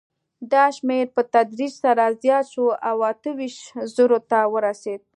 دا شمېر په تدریج سره زیات شو او اته ویشت زرو ته ورسېد.